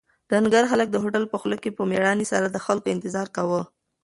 ډنکر هلک د هوټل په خوله کې په مېړانې سره د خلکو انتظار کاوه.